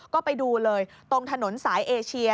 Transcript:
ก็ไปดูเลยตรงถนนสายเอเชีย